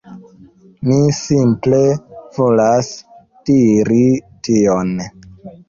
Mi simple volas diri tion.